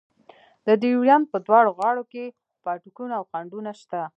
د ډیورنډ په دواړو غاړو کې پاټکونه او خنډونه شته.